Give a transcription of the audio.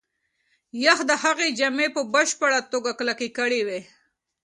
یخ د هغې جامې په بشپړه توګه کلکې کړې وې.